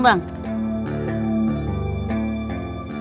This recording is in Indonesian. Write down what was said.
semua orang nya ngajin